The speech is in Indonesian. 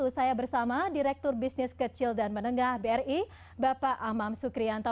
saya bersama direktur bisnis kecil dan menengah bri bapak amam sukrianto